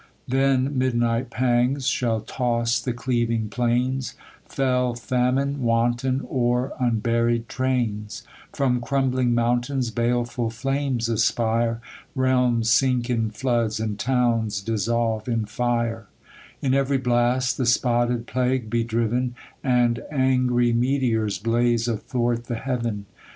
Then midnight pangs shall toss the cleaving plains ; Fell famine w^anton o'er unburied trains ; From crumbling mountains baleful flames aspire ; Realms sink in floods, and towns dissolve in fire ; In every blast, the spotted plague be driven, And angry meteors blaze athwart the heaven.